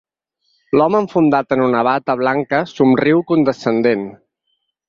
L'home enfundat en una bata blanca somriu condescendent.